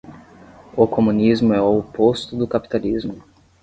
O comunismo é o oposto do capitalismo.